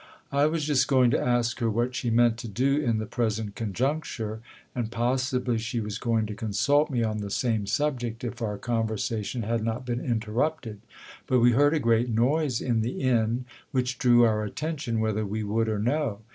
I was just going to ask her what she meant to do in the present con juncture, and possibly she was going to consult me on the same subject if our conversation had not been interrupted ; but we heard a great noise in the inn, which drew our attention whether we would or no.